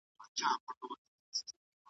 پر هغه وعده ولاړ یم په ازل کي چي مي کړې .